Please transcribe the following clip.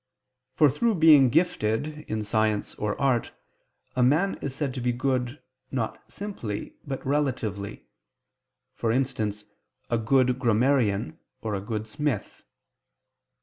For through being gifted in science or art, a man is said to be good, not simply, but relatively; for instance, a good grammarian or a good smith.